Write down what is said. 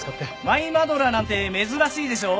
マイマドラーなんて珍しいでしょ？